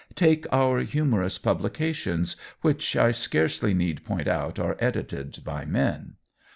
Take our humorous publications, which I scarcely need point out are edited by men.